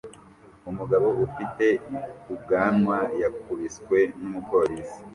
Umugabo ufite ubwanwa yakubiswe n'umupolisi